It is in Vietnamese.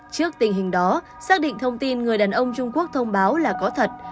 trước tình hình đó xác định thông tin người đàn ông trung quốc thông báo là có thật